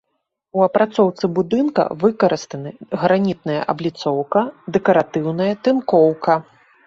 У апрацоўцы будынка выкарыстаны гранітная абліцоўка, дэкаратыўная тынкоўка.